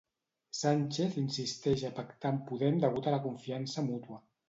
Sánchez insisteix a pactar amb Podem degut a la confiança mútua.